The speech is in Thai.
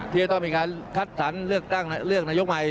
ที่จะต้องมีการคัดสรรเลือกตั้งเลือกนายกใหม่